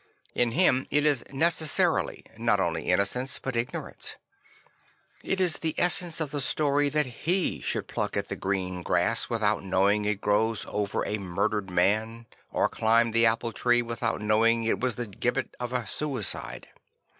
In him it is necessarily not only innocence but ignorance. I t is the essence of the story that he should pluck at the green grass without knowing it grows over a murdered man or climb the apple tree without knowing it was the gibbet of a suicide.